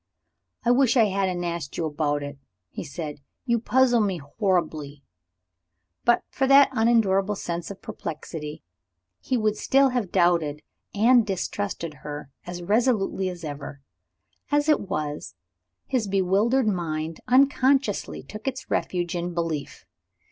"I wish I hadn't asked you about it," he said. "You puzzle me horribly." But for that unendurable sense of perplexity, he would still have doubted and distrusted her as resolutely as ever. As it was, his bewildered mind unconsciously took its refuge in belief.